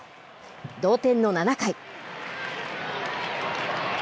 同点の７回。